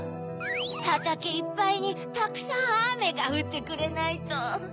はたけいっぱいにたくさんアメがふってくれないと。